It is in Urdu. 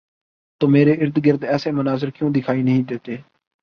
تو میرے ارد گرد ایسے مناظر کیوں دکھائی نہیں دیتے؟